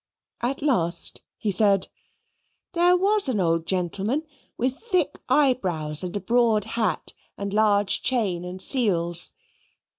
At last, he said, "There was an old gentleman, with thick eyebrows, and a broad hat, and large chain and seals."